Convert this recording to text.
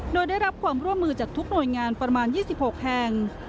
โดยได้รับความร่วมมือจากทุกหน่วยงานประมาณ๒๖แห่ง